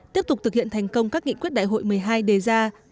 tiếp tục thực hiện thành công các nghị quyết đại hội một mươi hai đề ra